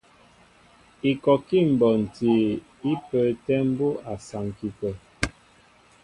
Ikɔkí mbonti í pə́ə́tɛ̄ mbú' a saŋki tə̂.